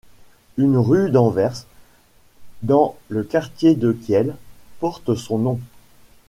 Une rue d'Anvers, dans le quartier de Kiel, porte son nom.